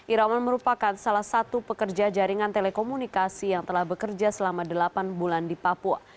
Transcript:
iraman merupakan salah satu pekerja jaringan telekomunikasi yang telah bekerja selama delapan bulan di papua